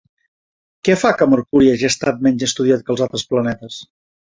Què fa que Mercuri hagi estat menys estudiat que els altres planetes?